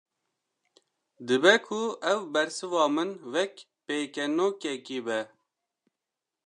Dibe ku ev bersiva min, wek pêkenokekê be